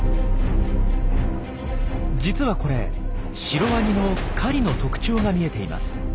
実はこれシロワニの狩りの特徴が見えています。